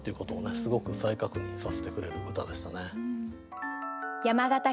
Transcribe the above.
すごく再確認させてくれる歌でしたね。